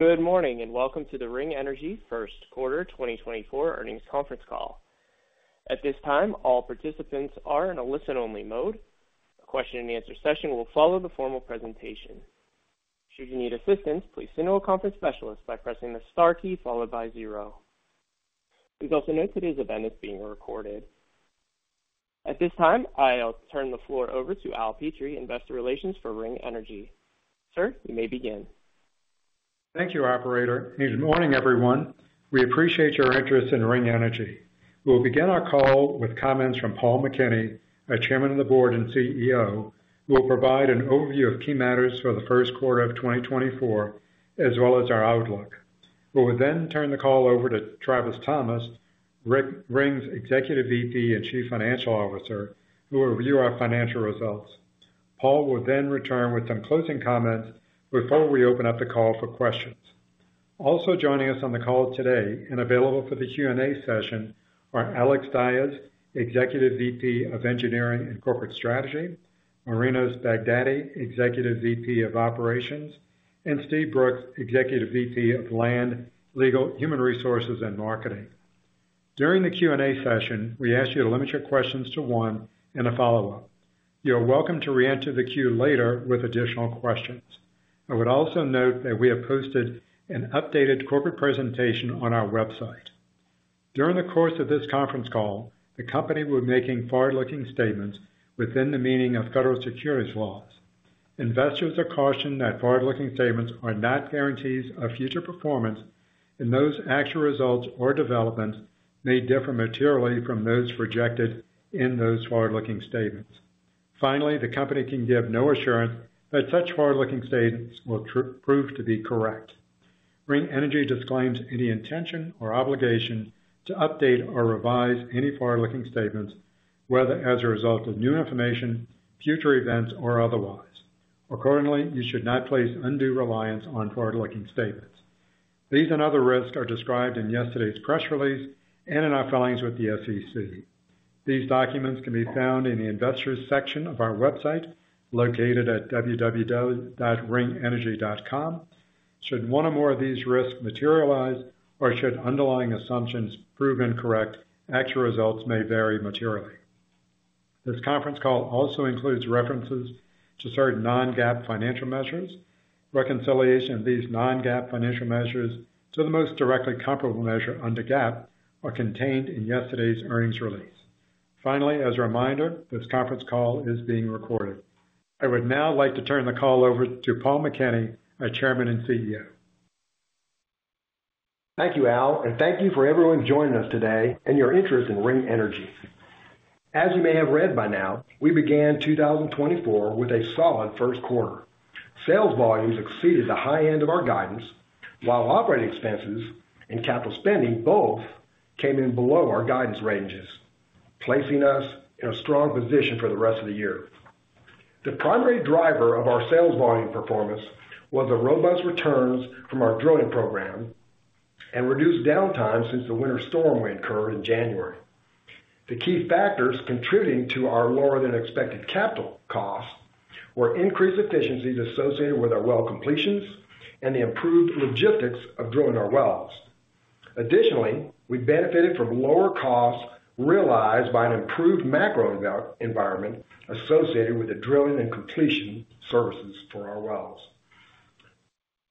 Good morning, and welcome to the Ring Energy first quarter 2024 earnings conference call. At this time, all participants are in a listen-only mode. A question-and-answer session will follow the formal presentation. Should you need assistance, please signal a conference specialist by pressing the star key followed by zero. Please also note today's event is being recorded. At this time, I'll turn the floor over to Al Petrie, Investor Relations for Ring Energy. Sir, you may begin. Thank you, operator, and good morning, everyone. We appreciate your interest in Ring Energy. We will begin our call with comments from Paul McKinney, our Chairman of the Board and CEO, who will provide an overview of key matters for the first quarter of 2024, as well as our outlook. We will then turn the call over to Travis Thomas, Ring's Executive VP and Chief Financial Officer, who will review our financial results. Paul will then return with some closing comments before we open up the call for questions. Also joining us on the call today and available for the Q&A session are Alex Diaz, Executive VP of Engineering and Corporate Strategy, Marinos Baghdati, Executive VP of Operations, and Steve Brooks, Executive VP of Land, Legal, Human Resources, and Marketing. During the Q&A session, we ask you to limit your questions to one and a follow-up. You are welcome to reenter the queue later with additional questions. I would also note that we have posted an updated corporate presentation on our website. During the course of this conference call, the company will be making forward-looking statements within the meaning of federal securities laws. Investors are cautioned that forward-looking statements are not guarantees of future performance, and those actual results or developments may differ materially from those projected in those forward-looking statements. Finally, the company can give no assurance that such forward-looking statements will prove to be correct. Ring Energy disclaims any intention or obligation to update or revise any forward-looking statements, whether as a result of new information, future events, or otherwise. Accordingly, you should not place undue reliance on forward-looking statements. These and other risks are described in yesterday's press release and in our filings with the SEC. These documents can be found in the Investors section of our website, located at www.ringenergy.com. Should one or more of these risks materialize or should underlying assumptions prove incorrect, actual results may vary materially. This conference call also includes references to certain non-GAAP financial measures. Reconciliation of these non-GAAP financial measures to the most directly comparable measure under GAAP are contained in yesterday's earnings release. Finally, as a reminder, this conference call is being recorded. I would now like to turn the call over to Paul McKinney, our Chairman and CEO. Thank you, Al, and thank you for everyone joining us today and your interest in Ring Energy. As you may have read by now, we began 2024 with a solid first quarter. Sales volumes exceeded the high end of our guidance, while operating expenses and capital spending both came in below our guidance ranges, placing us in a strong position for the rest of the year. The primary driver of our sales volume performance was the robust returns from our drilling program and reduced downtime since the winter storm we incurred in January. The key factors contributing to our lower-than-expected capital costs were increased efficiencies associated with our well completions and the improved logistics of drilling our wells. Additionally, we benefited from lower costs realized by an improved macro environment associated with the drilling and completion services for our wells.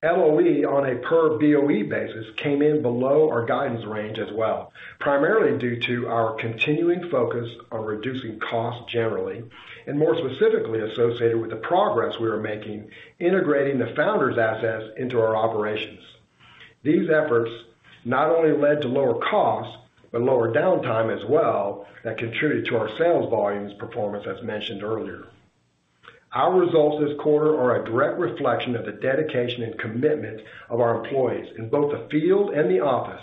LOE on a per BOE basis came in below our guidance range as well, primarily due to our continuing focus on reducing costs generally, and more specifically associated with the progress we are making, integrating the Founders' assets into our operations. These efforts not only led to lower costs, but lower downtime as well, that contributed to our sales volumes performance, as mentioned earlier. Our results this quarter are a direct reflection of the dedication and commitment of our employees in both the field and the office,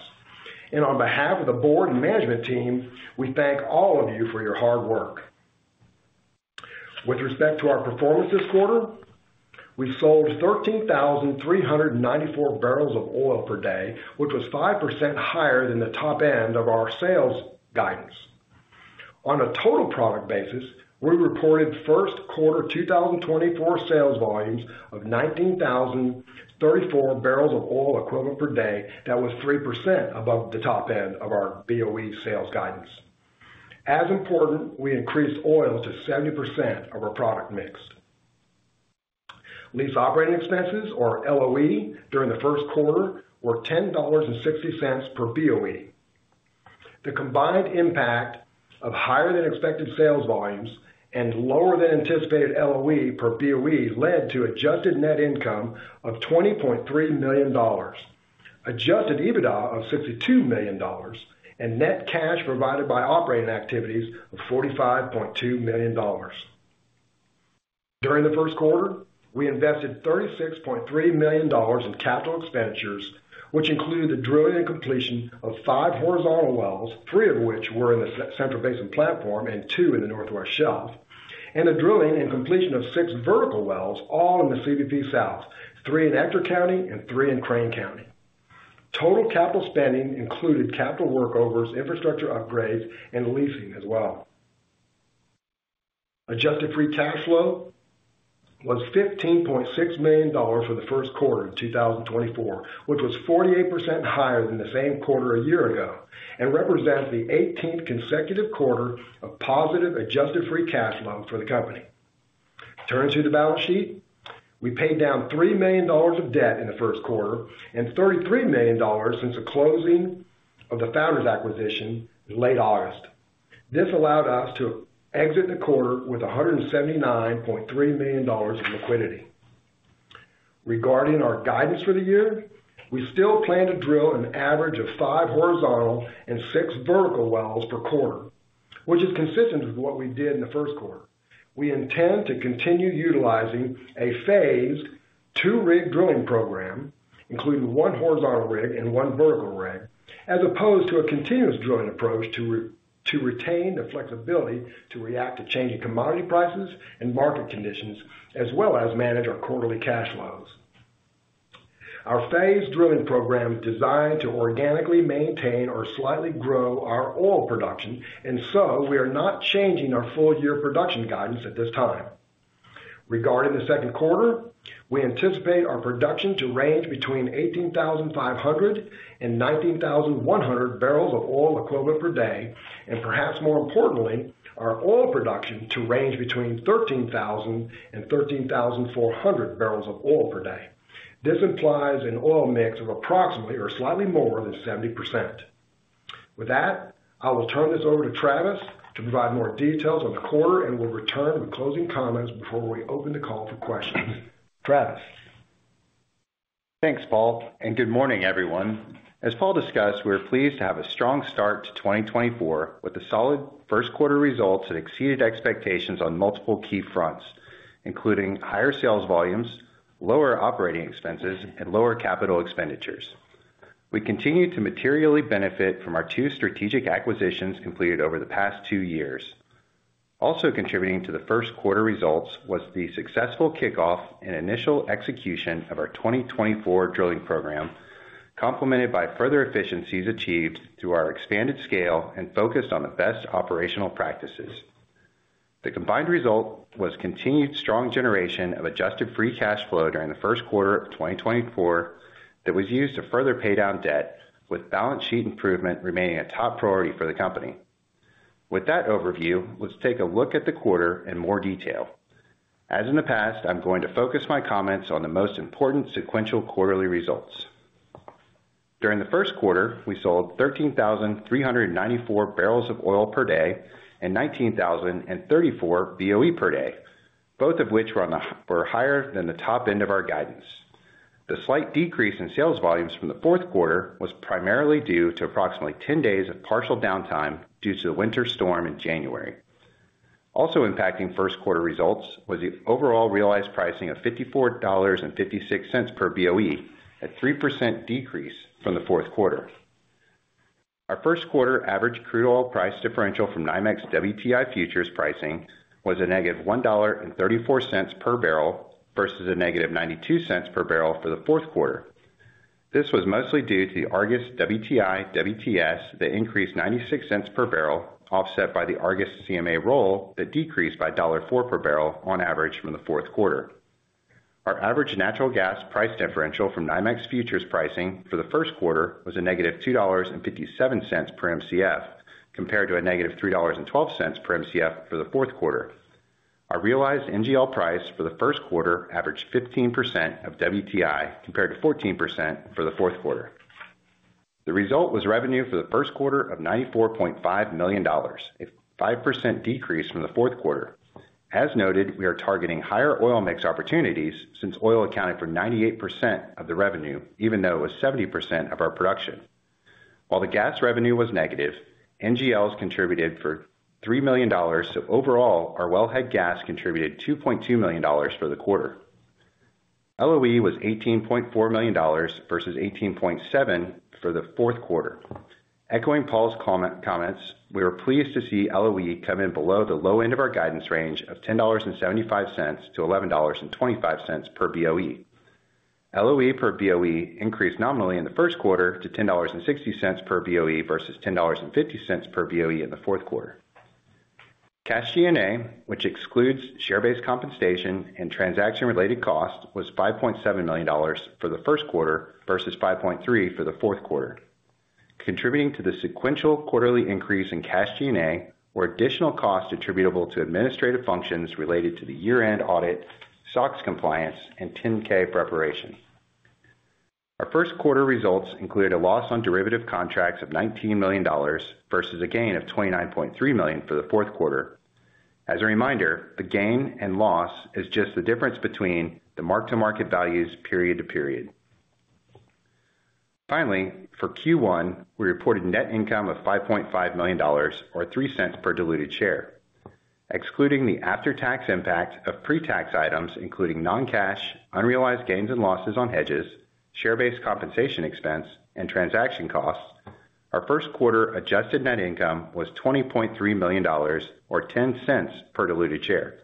and on behalf of the board and management team, we thank all of you for your hard work. With respect to our performance this quarter, we sold 13,394 barrels of oil per day, which was 5% higher than the top end of our sales guidance. On a total product basis, we reported first quarter 2024 sales volumes of 19,034 barrels of oil equivalent per day. That was 3% above the top end of our BOE sales guidance. As important, we increased oil to 70% of our product mix. Lease operating expenses, or LOE, during the first quarter were $10.60 per BOE. The combined impact of higher-than-expected sales volumes and lower than anticipated LOE per BOE led to adjusted net income of $20.3 million, Adjusted EBITDA of $62 million, and net cash provided by operating activities of $45.2 million. During the first quarter, we invested $36.3 million in capital expenditures, which included the drilling and completion of 5 horizontal wells, 3 of which were in the Central Basin Platform and 2 in the Northwest Shelf, and the drilling and completion of 6 vertical wells, all in the CBP South, 3 in Ector County and 3 in Crane County. Total capital spending included capital workovers, infrastructure upgrades, and leasing as well. Adjusted free cash flow was $15.6 million for the first quarter of 2024, which was 48% higher than the same quarter a year ago, and represents the 18th consecutive quarter of positive adjusted free cash flow for the company. Turning to the balance sheet, we paid down $3 million of debt in the first quarter, and $33 million since the closing of the Founders acquisition in late August. This allowed us to exit the quarter with $179.3 million in liquidity. Regarding our guidance for the year, we still plan to drill an average of 5 horizontal and 6 vertical wells per quarter, which is consistent with what we did in the first quarter. We intend to continue utilizing a phased 2-rig drilling program, including one horizontal rig and one vertical rig, as opposed to a continuous drilling approach, to retain the flexibility to react to changing commodity prices and market conditions, as well as manage our quarterly cash flows. Our phased drilling program is designed to organically maintain or slightly grow our oil production, and so we are not changing our full year production guidance at this time. Regarding the second quarter, we anticipate our production to range between 18,500 and 19,100 barrels of oil equivalent per day, and perhaps more importantly, our oil production to range between 13,000 and 13,400 barrels of oil per day. This implies an oil mix of approximately or slightly more than 70%. With that, I will turn this over to Travis to provide more details on the quarter, and we'll return with closing comments before we open the call for questions. Travis? Thanks, Paul, and good morning, everyone. As Paul discussed, we are pleased to have a strong start to 2024 with the solid first quarter results that exceeded expectations on multiple key fronts, including higher sales volumes, lower operating expenses, and lower capital expenditures. We continued to materially benefit from our 2 strategic acquisitions completed over the past 2 years. Also contributing to the first quarter results was the successful kickoff and initial execution of our 2024 drilling program, complemented by further efficiencies achieved through our expanded scale and focused on the best operational practices. The combined result was continued strong generation of adjusted free cash flow during the first quarter of 2024, that was used to further pay down debt, with balance sheet improvement remaining a top priority for the company. With that overview, let's take a look at the quarter in more detail. As in the past, I'm going to focus my comments on the most important sequential quarterly results. During the first quarter, we sold 13,394 barrels of oil per day and 19,034 BOE per day, both of which were higher than the top end of our guidance. The slight decrease in sales volumes from the fourth quarter was primarily due to approximately 10 days of partial downtime due to the winter storm in January. Also impacting first quarter results was the overall realized pricing of $54.56 per BOE, a 3% decrease from the fourth quarter. Our first quarter average crude oil price differential from NYMEX WTI futures pricing was -$1.34 per barrel versus -$0.92 per barrel for the fourth quarter. This was mostly due to the Argus WTI/WTS, that increased 96 cents per barrel, offset by the Argus CMA roll, that decreased by $1.04 per barrel on average from the fourth quarter. Our average natural gas price differential from NYMEX futures pricing for the first quarter was -$2.57 per Mcf, compared to -$3.12 per Mcf for the fourth quarter. Our realized NGL price for the first quarter averaged 15% of WTI, compared to 14% for the fourth quarter. The result was revenue for the first quarter of $94.5 million, a 5% decrease from the fourth quarter. As noted, we are targeting higher oil mix opportunities since oil accounted for 98% of the revenue, even though it was 70% of our production. While the gas revenue was negative, NGLs contributed $3 million. So overall, our wellhead gas contributed $2.2 million for the quarter. LOE was $18.4 million versus $18.7 million for the fourth quarter. Echoing Paul's comment, we are pleased to see LOE come in below the low end of our guidance range of $10.75-$11.25 per BOE. LOE per BOE increased nominally in the first quarter to $10.60 per BOE versus $10.50 per BOE in the fourth quarter. Cash G&A, which excludes share-based compensation and transaction-related costs, was $5.7 million for the first quarter versus $5.3 million for the fourth quarter. Contributing to the sequential quarterly increase in cash G&A were additional costs attributable to administrative functions related to the year-end audit, SOX compliance, and 10-K preparation. Our first quarter results included a loss on derivative contracts of $19 million versus a gain of $29.3 million for the fourth quarter. As a reminder, the gain and loss is just the difference between the mark-to-market values period to period. Finally, for Q1, we reported net income of $5.5 million or $0.03 per diluted share. Excluding the after-tax impact of pre-tax items, including non-cash, unrealized gains and losses on hedges, share-based compensation expense, and transaction costs, our first quarter adjusted net income was $20.3 million or $0.10 per diluted share.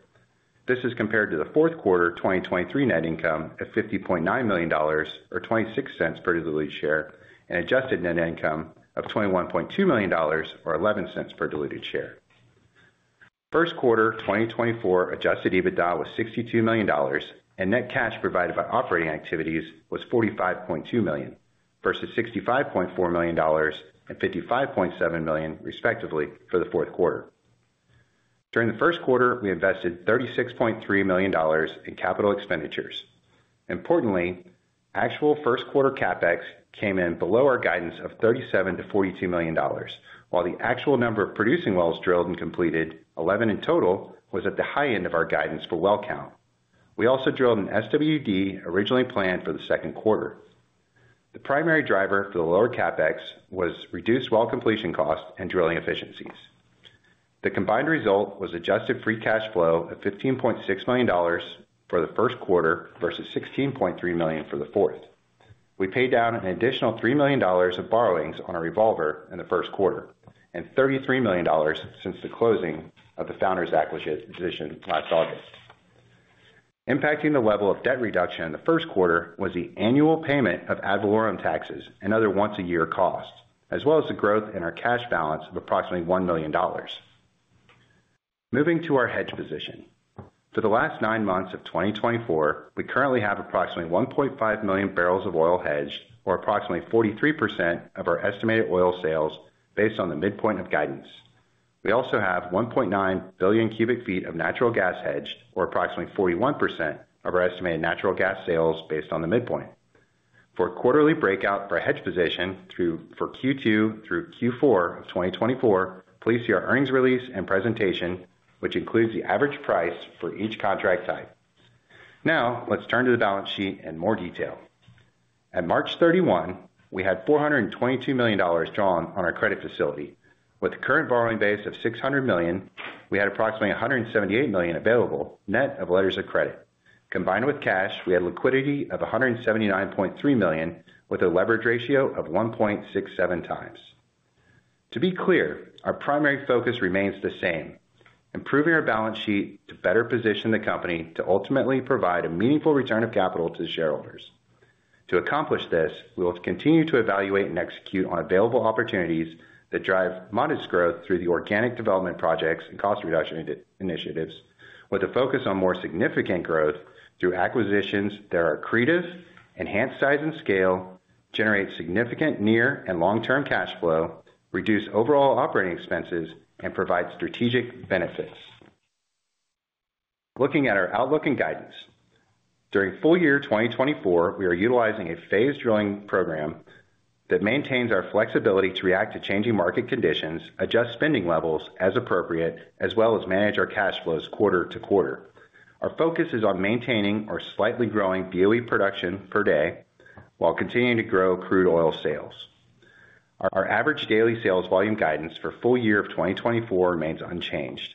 This is compared to the fourth quarter 2023 net income of $50.9 million, or $0.26 per diluted share, and adjusted net income of $21.2 million, or $0.11 per diluted share. First quarter 2024 Adjusted EBITDA was $62 million, and net cash provided by operating activities was $45.2 million, versus $65.4 million and $55.7 million, respectively, for the fourth quarter. During the first quarter, we invested $36.3 million in capital expenditures. Importantly, actual first quarter CapEx came in below our guidance of $37 million-$42 million, while the actual number of producing wells drilled and completed, 11 in total, was at the high end of our guidance for well count. We also drilled an SWD, originally planned for the second quarter. The primary driver for the lower CapEx was reduced well completion costs and drilling efficiencies. The combined result was adjusted free cash flow of $15.6 million for the first quarter versus $16.3 million for the fourth. We paid down an additional $3 million of borrowings on our revolver in the first quarter, and $33 million since the closing of the Founders acquisition last August. Impacting the level of debt reduction in the first quarter was the annual payment of ad valorem taxes and other once-a-year costs, as well as the growth in our cash balance of approximately $1 million. Moving to our hedge position. For the last nine months of 2024, we currently have approximately 1.5 million barrels of oil hedged, or approximately 43% of our estimated oil sales, based on the midpoint of guidance. We also have 1.9 billion cubic feet of natural gas hedged, or approximately 41% of our estimated natural gas sales, based on the midpoint. For a quarterly breakout for a hedged position for Q2 through Q4 of 2024, please see our earnings release and presentation, which includes the average price for each contract type. Now, let's turn to the balance sheet in more detail. At March 31, we had $422 million drawn on our credit facility. With the current borrowing base of $600 million, we had approximately $178 million available, net of letters of credit. Combined with cash, we had liquidity of $179.3 million, with a leverage ratio of 1.67 times. To be clear, our primary focus remains the same: improving our balance sheet to better position the company to ultimately provide a meaningful return of capital to the shareholders. To accomplish this, we will continue to evaluate and execute on available opportunities that drive modest growth through the organic development projects and cost reduction initiatives, with a focus on more significant growth through acquisitions that are accretive, enhance size and scale, generate significant near- and long-term cash flow, reduce overall operating expenses, and provide strategic benefits. Looking at our outlook and guidance. During full year 2024, we are utilizing a phased drilling program that maintains our flexibility to react to changing market conditions, adjust spending levels as appropriate, as well as manage our cash flows quarter to quarter. Our focus is on maintaining or slightly growing BOE production per day while continuing to grow crude oil sales. Our average daily sales volume guidance for full year of 2024 remains unchanged.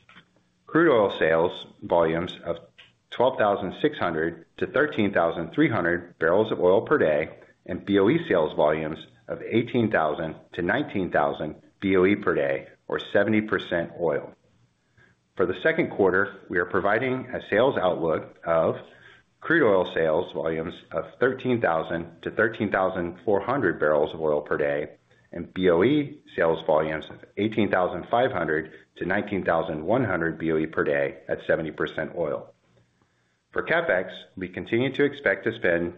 Crude oil sales volumes of 12,600-13,300 barrels of oil per day, and BOE sales volumes of 18,000-19,000 BOE per day, or 70% oil. For the second quarter, we are providing a sales outlook of crude oil sales volumes of 13,000-13,400 barrels of oil per day, and BOE sales volumes of 18,500-19,100 BOE per day at 70% oil. For CapEx, we continue to expect to spend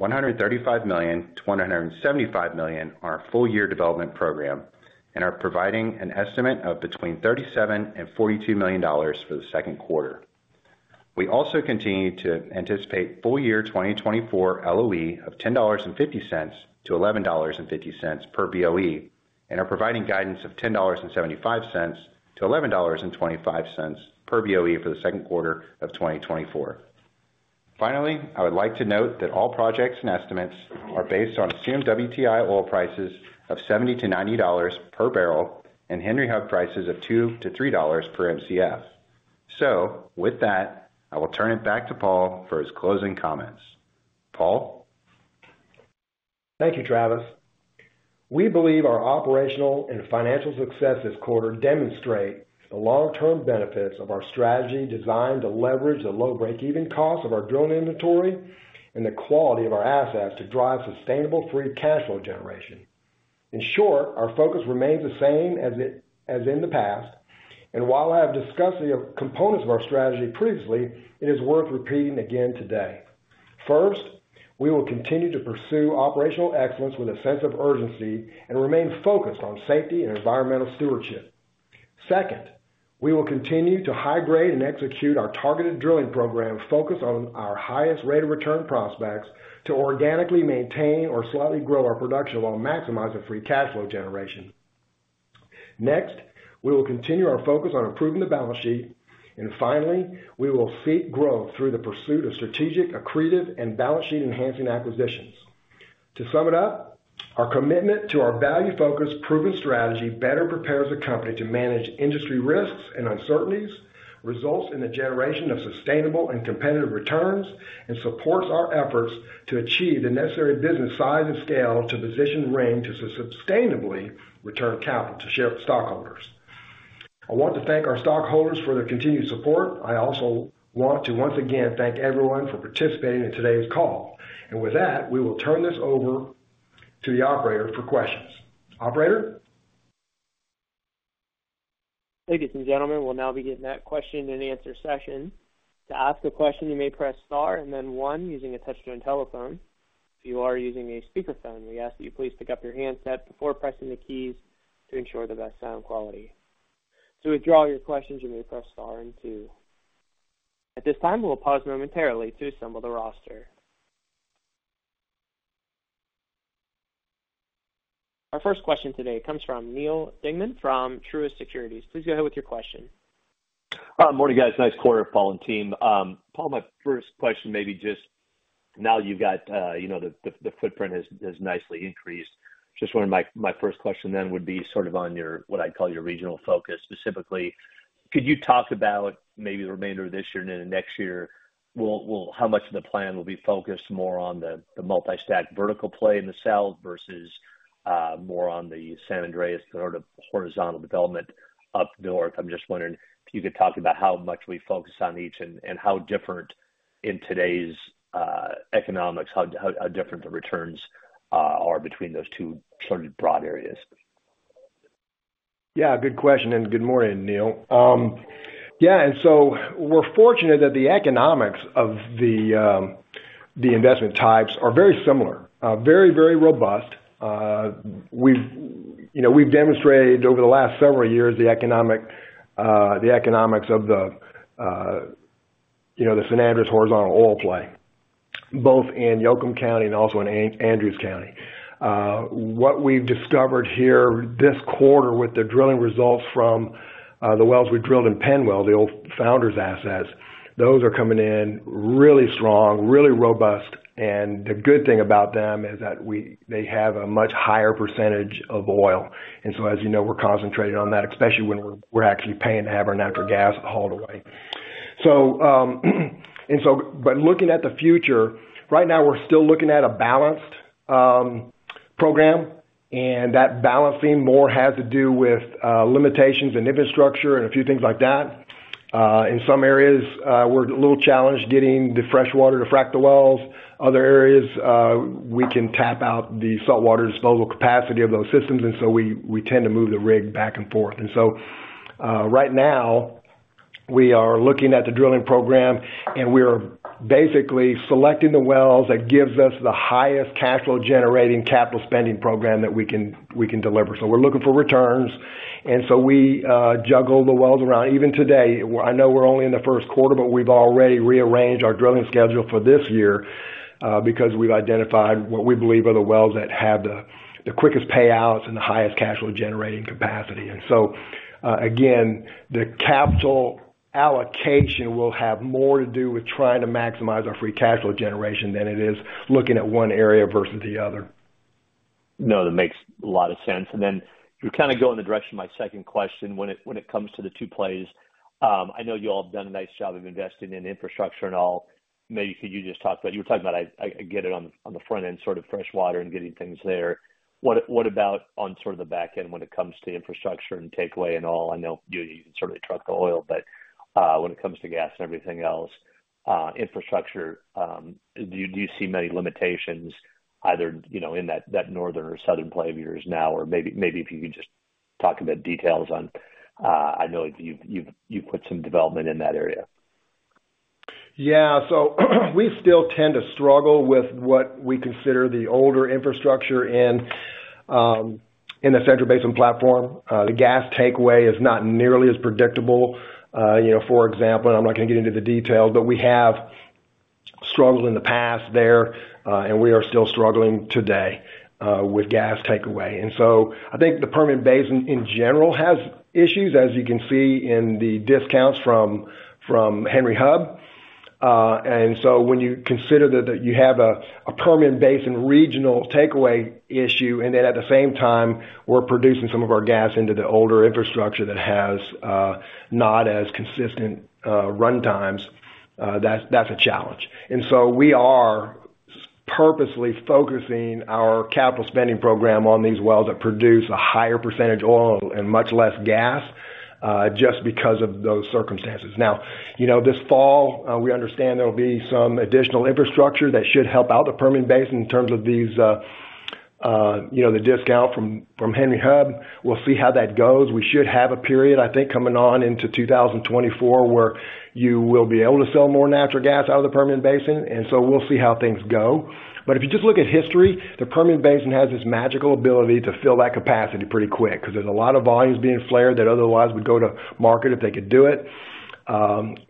$135 million-$175 million on our full-year development program, and are providing an estimate of between $37 million and $42 million for the second quarter. We also continue to anticipate full year 2024 LOE of $10.50-$11.50 per BOE, and are providing guidance of $10.75-$11.25 per BOE for the second quarter of 2024. Finally, I would like to note that all projects and estimates are based on assumed WTI oil prices of $70-$90 per barrel and Henry Hub prices of $2-$3 per Mcf. So with that, I will turn it back to Paul for his closing comments. Paul? Thank you, Travis. We believe our operational and financial success this quarter demonstrate the long-term benefits of our strategy designed to leverage the low break-even cost of our drilling inventory and the quality of our assets to drive sustainable free cash flow generation. In short, our focus remains the same as it as in the past, and while I have discussed the components of our strategy previously, it is worth repeating again today. First, we will continue to pursue operational excellence with a sense of urgency and remain focused on safety and environmental stewardship. Second, we will continue to high-grade and execute our targeted drilling program focused on our highest rate of return prospects to organically maintain or slightly grow our production while maximizing free cash flow generation. Next, we will continue our focus on improving the balance sheet, and finally, we will seek growth through the pursuit of strategic, accretive, and balance sheet-enhancing acquisitions. To sum it up, our commitment to our value-focused, proven strategy better prepares the company to manage industry risks and uncertainties, results in the generation of sustainable and competitive returns, and supports our efforts to achieve the necessary business size and scale to position Ring to sustainably return capital to share-- stockholders. I want to thank our stockholders for their continued support. I also want to once again thank everyone for participating in today's call. And with that, we will turn this over to the operator for questions. Operator? Thank you, gentlemen. We'll now begin that question and answer session. To ask a question, you may press star and then one using a touchtone telephone. If you are using a speakerphone, we ask that you please pick up your handset before pressing the keys to ensure the best sound quality. To withdraw your questions, you may press star and two. At this time, we'll pause momentarily to assemble the roster. Our first question today comes from Neal Dingmann from Truist Securities. Please go ahead with your question. Morning, guys. Nice quarter, Paul and team. Paul, my first question, maybe just now you've got, you know, the footprint has nicely increased. Just wondering, my first question then would be sort of on your, what I'd call your regional focus. Specifically, could you talk about maybe the remainder of this year and into next year, how much of the plan will be focused more on the multi-stack vertical play in the south versus more on the San Andres sort of horizontal development up north? I'm just wondering if you could talk about how much we focus on each and how different in today's economics, how different the returns are between those two sort of broad areas. Yeah, good question, and good morning, Neal. Yeah, and so we're fortunate that the economics of the investment types are very similar, very, very robust. We've, you know, we've demonstrated over the last several years the economics of the San Andres horizontal oil play, both in Yoakum County and also in Andrews County. What we've discovered here this quarter with the drilling results from the wells we drilled in Penwell, the old Founders assets, those are coming in really strong, really robust, and the good thing about them is that they have a much higher percentage of oil. And so, as you know, we're concentrated on that, especially when we're actually paying to have our natural gas hauled away. So, and so by looking at the future, right now, we're still looking at a balanced program, and that balancing more has to do with limitations in infrastructure and a few things like that. In some areas, we're a little challenged getting the fresh water to frack the wells. Other areas, we can tap out the salt water's global capacity of those systems, and so we, we tend to move the rig back and forth. And so, right now, we are looking at the drilling program, and we are basically selecting the wells that gives us the highest cash flow generating capital spending program that we can, we can deliver. So we're looking for returns, and so we juggle the wells around. Even today, I know we're only in the first quarter, but we've already rearranged our drilling schedule for this year, because we've identified what we believe are the wells that have the quickest payouts and the highest cash flow generating capacity. And so, again, the capital allocation will have more to do with trying to maximize our free cash flow generation than it is looking at one area versus the other. No, that makes a lot of sense. And then, you're kind of going in the direction of my second question, when it comes to the two plays, I know you all have done a nice job of investing in infrastructure and all. Maybe could you just talk about. You were talking about, I get it on the, on the front end, sort of fresh water and getting things there. What about on sort of the back end when it comes to infrastructure and takeaway and all? I know you sort of truck the oil, but, when it comes to gas and everything else, infrastructure, do you see many limitations either, you know, in that northern or southern play of yours now? Or maybe, maybe if you could just talk about details on, I know you've put some development in that area. Yeah, so we still tend to struggle with what we consider the older infrastructure in, in the Central Basin Platform. The gas takeaway is not nearly as predictable. You know, for example, I'm not gonna get into the details, but we have struggled in the past there, and we are still struggling today, with gas takeaway. And so I think the Permian Basin in general has issues, as you can see in the discounts from, from Henry Hub. And so when you consider that, that you have a, a Permian Basin regional takeaway issue, and then at the same time, we're producing some of our gas into the older infrastructure that has, not as consistent, runtimes, that's, that's a challenge. And so we are purposely focusing our capital spending program on these wells that produce a higher percentage of oil and much less gas, just because of those circumstances. Now, you know, this fall, we understand there will be some additional infrastructure that should help out the Permian Basin in terms of these, you know, the discount from, from Henry Hub. We'll see how that goes. We should have a period, I think, coming on into 2024, where you will be able to sell more natural gas out of the Permian Basin, and so we'll see how things go. But if you just look at history, the Permian Basin has this magical ability to fill that capacity pretty quick, because there's a lot of volumes being flared that otherwise would go to market if they could do it. At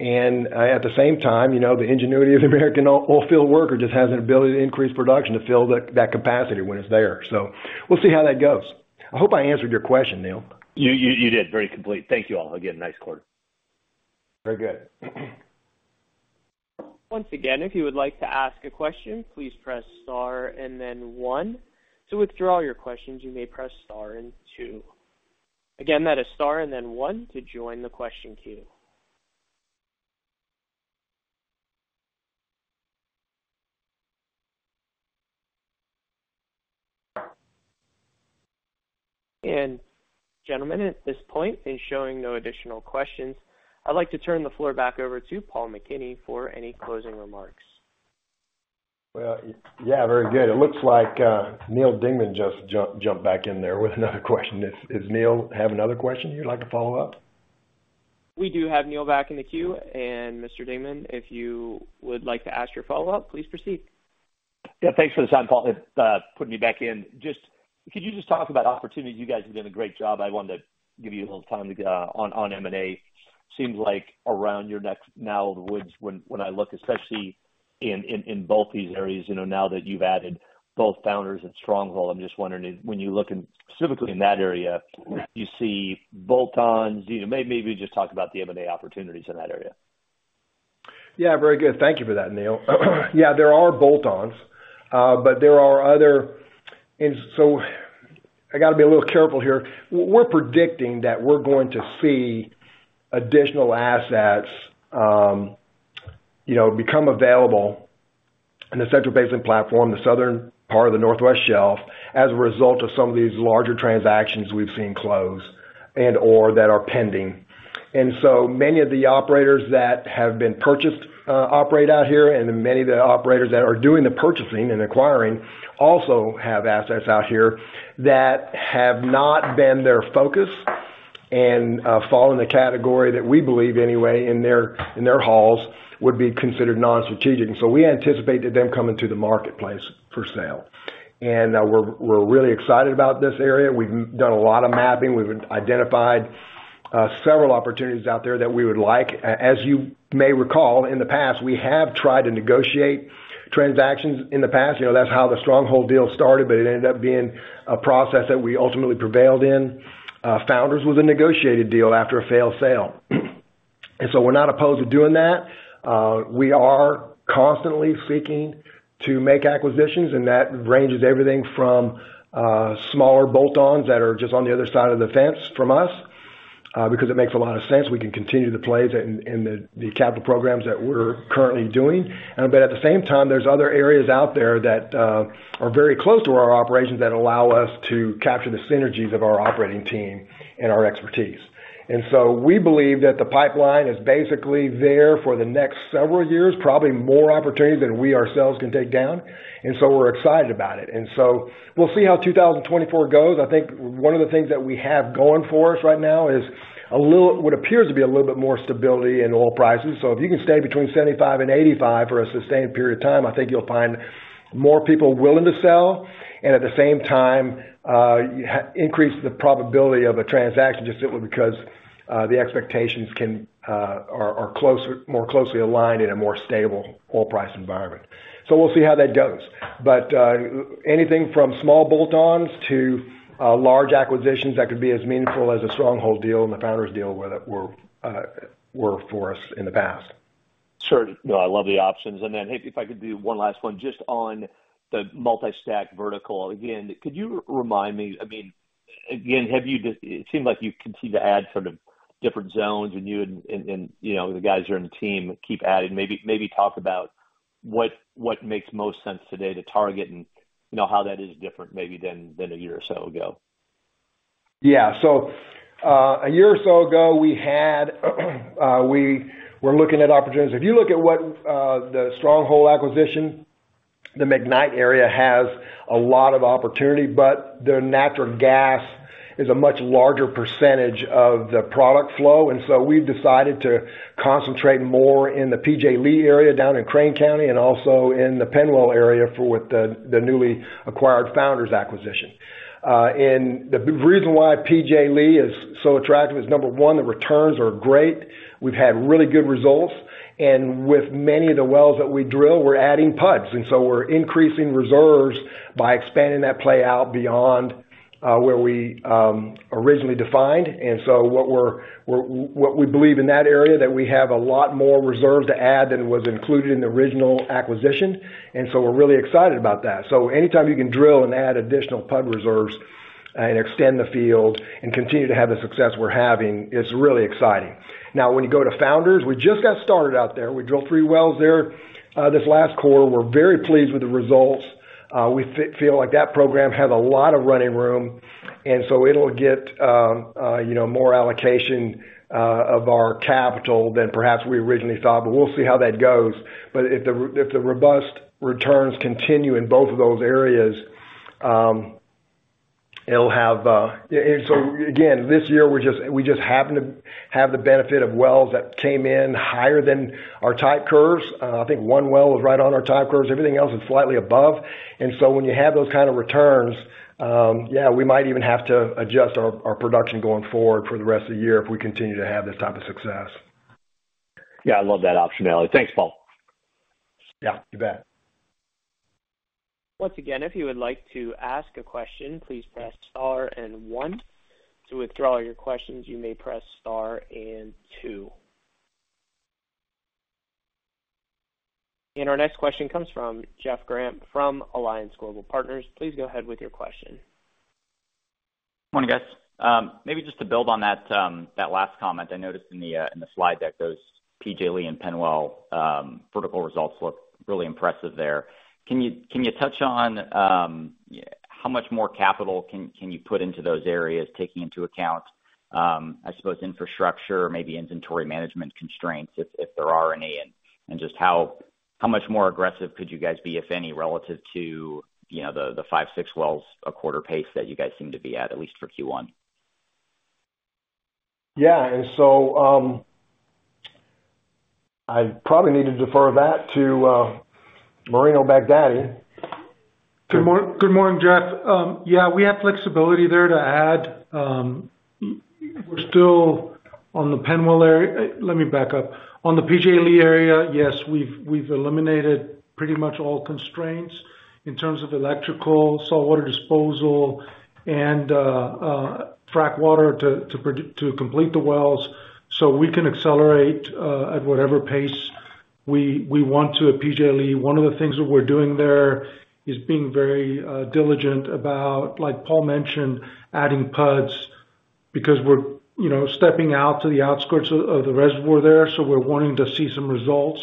the same time, you know, the ingenuity of American oil field worker just has an ability to increase production to fill that capacity when it's there. So we'll see how that goes. I hope I answered your question, Neal. You did. Very complete. Thank you all again. Nice quarter. Very good. Once again, if you would like to ask a question, please press Star and then one. To withdraw your questions, you may press Star and two. Again, that is Star and then one to join the question queue... Gentlemen, at this point, it's showing no additional questions. I'd like to turn the floor back over to Paul McKinney for any closing remarks. Well, yeah, very good. It looks like Neal Dingmann just jumped back in there with another question. Does Neal have another question you'd like to follow up? We do have Neal back in the queue, and Mr. Dingmann, if you would like to ask your follow-up, please proceed. Yeah, thanks for the time, Paul, putting me back in. Could you just talk about opportunities? You guys have done a great job. I wanted to give you a little time to on M&A. Seems like around your next now in the woods, when I look, especially in both these areas, you know, now that you've added both Founders and Stronghold, I'm just wondering, when you look specifically in that area, you see bolt-ons. You know, maybe just talk about the M&A opportunities in that area. Yeah, very good. Thank you for that, Neal. Yeah, there are bolt-ons, but there are other. And so I gotta be a little careful here. We're predicting that we're going to see additional assets, you know, become available in the Central Basin Platform, the southern part of the Northwest Shelf, as a result of some of these larger transactions we've seen close and/or that are pending. And so many of the operators that have been purchased operate out here, and many of the operators that are doing the purchasing and acquiring also have assets out here that have not been their focus and fall in the category, that we believe anyway, in their halls, would be considered non-strategic. And so we anticipate that them coming to the marketplace for sale. And, we're really excited about this area. We've done a lot of mapping. We've identified several opportunities out there that we would like. As you may recall, in the past, we have tried to negotiate transactions in the past. You know, that's how the Stronghold deal started, but it ended up being a process that we ultimately prevailed in. Founders was a negotiated deal after a failed sale. And so we're not opposed to doing that. We are constantly seeking to make acquisitions, and that ranges everything from smaller bolt-ons that are just on the other side of the fence from us, because it makes a lot of sense. We can continue to play in the capital programs that we're currently doing. But at the same time, there's other areas out there that are very close to our operations that allow us to capture the synergies of our operating team and our expertise. And so we believe that the pipeline is basically there for the next several years, probably more opportunities than we ourselves can take down, and so we're excited about it. And so we'll see how 2024 goes. I think one of the things that we have going for us right now is a little - what appears to be a little bit more stability in oil prices. So if you can stay between $75-$85 for a sustained period of time, I think you'll find more people willing to sell, and at the same time, you increase the probability of a transaction just simply because the expectations are closer, more closely aligned in a more stable oil price environment. So we'll see how that goes. But anything from small bolt-ons to large acquisitions that could be as meaningful as a Stronghold deal and the Founders deal were for us in the past. Sure. No, I love the options. And then, hey, if I could do one last one, just on the multi-stack vertical. Again, could you remind me, I mean, it seemed like you continue to add sort of different zones, and you know, the guys are on the team keep adding. Maybe talk about what makes most sense today to target and, you know, how that is different maybe than a year or so ago. Yeah. So, a year or so ago, we had, we were looking at opportunities. If you look at what, the Stronghold acquisition, the McKnight area has a lot of opportunity, but their natural gas is a much larger percentage of the product flow, and so we've decided to concentrate more in the P.J. Lea area, down in Crane County, and also in the Penwell area for what the, the newly acquired Founders acquisition. And the reason why P.J. Lea is so attractive is, number one, the returns are great. We've had really good results, and with many of the wells that we drill, we're adding PUDs, and so we're increasing reserves by expanding that play out beyond, where we, originally defined. And so what we believe in that area, that we have a lot more reserve to add than was included in the original acquisition, and so we're really excited about that. So anytime you can drill and add additional PUD reserves and extend the field and continue to have the success we're having, it's really exciting. Now, when you go to Founders, we just got started out there. We drilled three wells there, this last quarter. We're very pleased with the results. We feel like that program has a lot of running room, and so it'll get, you know, more allocation of our capital than perhaps we originally thought, but we'll see how that goes. But if the robust returns continue in both of those areas, it'll have. And so again, this year, we just happen to have the benefit of wells that came in higher than our type curves. I think one well was right on our type curves. Everything else is slightly above. And so when you have those kind of returns, yeah, we might even have to adjust our production going forward for the rest of the year if we continue to have this type of success. Yeah, I love that optionality. Thanks, Paul. Yeah, you bet. Once again, if you would like to ask a question, please press Star and One. To withdraw your questions, you may press Star and two. And our next question comes from Jeff Grampp from Alliance Global Partners. Please go ahead with your question. Morning, guys. Maybe just to build on that, that last comment. I noticed in the, in the slide deck, those P.J. Lea and Penwell, vertical results look really impressive there. Can you, can you touch on, how much more capital can, can you put into those areas, taking into account, I suppose infrastructure, maybe inventory management constraints, if, if there are any? And, and just how, how much more aggressive could you guys be, if any, relative to, you know, the, the five, six wells a quarter pace that you guys seem to be at, at least for Q1? Yeah. And so, I probably need to defer that to, Marinos Baghdati. Good morning, Jeff. Yeah, we have flexibility there to add. We're still on the Penwell area. Let me back up. On the P.J. Lea area, yes, we've eliminated pretty much all constraints in terms of electrical, saltwater disposal, and frack water to complete the wells, so we can accelerate at whatever pace we want to at P.J. Lea. One of the things that we're doing there is being very diligent about, like Paul mentioned, adding pads because we're, you know, stepping out to the outskirts of the reservoir there, so we're wanting to see some results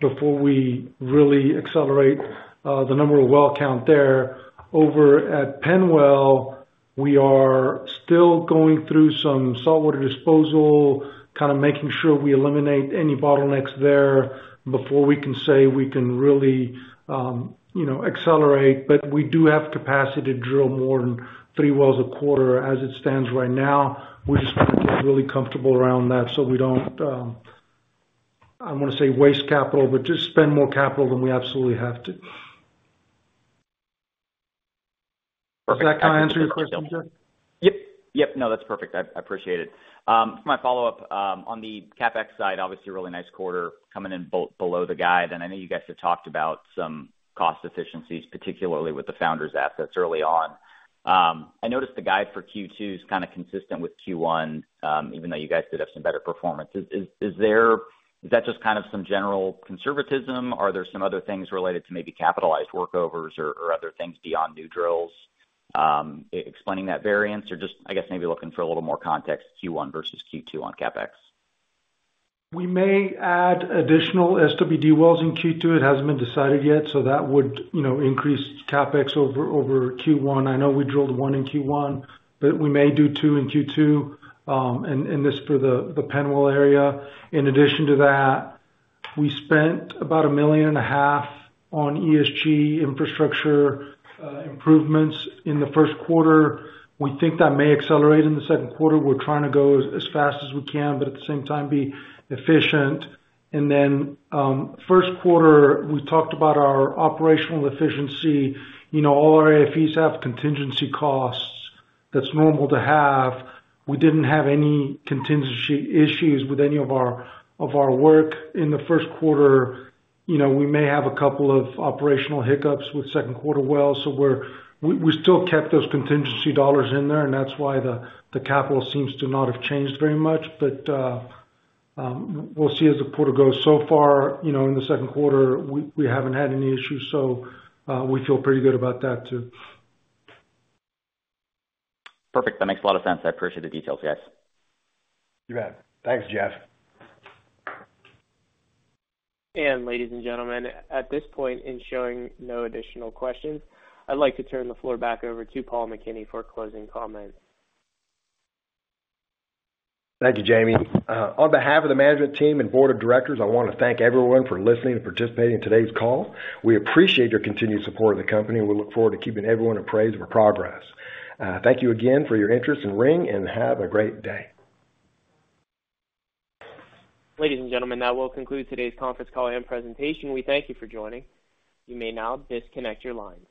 before we really accelerate the number of well count there. Over at Penwell, we are still going through some saltwater disposal, kind of making sure we eliminate any bottlenecks there before we can say we can really, you know, accelerate. But we do have capacity to drill more than three wells a quarter as it stands right now. We just want to get really comfortable around that, so we don't, I don't want to say waste capital, but just spend more capital than we absolutely have to. Perfect. Does that kind of answer your question, Jeff? Yep. Yep. No, that's perfect. I appreciate it. My follow-up on the CapEx side, obviously, a really nice quarter coming in below the guide, and I know you guys have talked about some cost efficiencies, particularly with the Founders assets early on. I noticed the guide for Q2 is kind of consistent with Q1, even though you guys did have some better performance. Is that just kind of some general conservatism, or are there some other things related to maybe capitalized workovers or other things beyond new drills explaining that variance? Or just, I guess, maybe looking for a little more context, Q1 versus Q2 on CapEx. We may add additional SWD wells in Q2. It hasn't been decided yet, so that would, you know, increase CapEx over Q1. I know we drilled 1 in Q1, but we may do 2 in Q2, and this for the Penwell area. In addition to that, we spent about $1.5 million on ESG infrastructure improvements in the first quarter. We think that may accelerate in the second quarter. We're trying to go as fast as we can, but at the same time, be efficient. And then, first quarter, we talked about our operational efficiency. You know, all our AFEs have contingency costs. That's normal to have. We didn't have any contingency issues with any of our work in the first quarter. You know, we may have a couple of operational hiccups with second quarter wells, so we're... We still kept those contingency dollars in there, and that's why the capital seems to not have changed very much. But we'll see as the quarter goes. So far, you know, in the second quarter, we haven't had any issues, so we feel pretty good about that, too. Perfect. That makes a lot of sense. I appreciate the details, guys. You bet. Thanks, Jeff. Ladies and gentlemen, at this point, in showing no additional questions, I'd like to turn the floor back over to Paul McKinney for closing comments. Thank you, Jamie. On behalf of the management team and board of directors, I want to thank everyone for listening and participating in today's call. We appreciate your continued support of the company, and we look forward to keeping everyone appraised of our progress. Thank you again for your interest in Ring, and have a great day. Ladies and gentlemen, that will conclude today's conference call and presentation. We thank you for joining. You may now disconnect your lines.